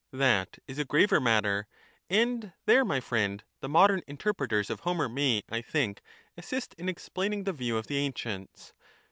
That is a graver matter, and there, my friend, the modern interpreters of Homer may, I think, assist in ex plaining the view of the ancients.